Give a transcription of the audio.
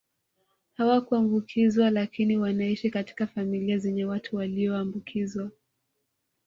Hawakuambukizwa lakini wanaishi katika familia zenye watu waliombukizwa